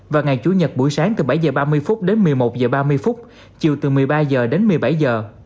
và ngày chủ nhật buổi sáng từ bảy giờ ba mươi phút đến một mươi một giờ ba mươi chiều từ một mươi ba giờ đến một mươi bảy giờ